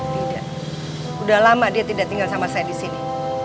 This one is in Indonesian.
tidak sudah lama dia tidak tinggal sama saya disini